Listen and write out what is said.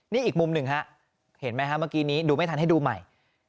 นี่อีกมุมหนึ่งฮะเห็นไหมฮะเมื่อกี้นี้ดูไม่ทันให้ดูใหม่